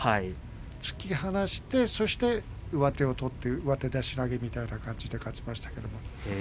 突き放して、そして上手を取って上手出し投げみたいな感じで勝ちました。